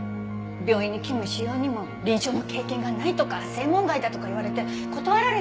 病院に勤務しようにも臨床の経験がないとか専門外だとか言われて断られたんでしょ？